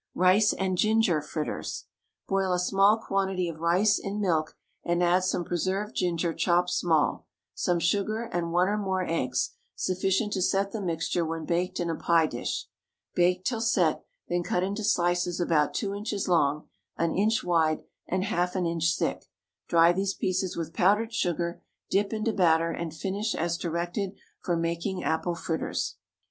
RICE AND GINGER FRITTERS. Boil a small quantity of rice in milk and add some preserved ginger chopped small, some sugar, and one or more eggs, sufficient to set the mixture when baked in a pie dish. Bake till set, then cut into slices about two inches long, an inch wide, and half an inch thick; dry these pieces with powdered sugar, dip into batter, and finish as directed for making apple fritters.